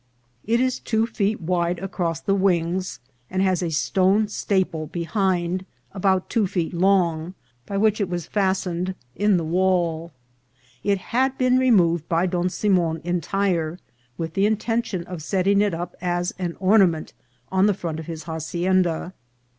It is two feet wide across the wings, and has a stone staple behind, about two feet long, by wljich it was fastened in the wall. It had been removed by Don Simon entire, with the intention of setting it up as an ornament on the front of his haci enda.